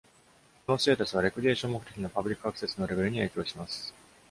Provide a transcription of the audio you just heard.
このステータスは、レクリエーション目的のパブリックアクセスのレベルに影響します。